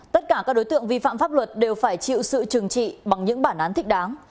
tất cả các đối tượng vi phạm pháp luật đều phải chịu sự trừng trị bằng những bản án thích đáng